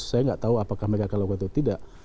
saya nggak tahu apakah mereka akan lakukan atau tidak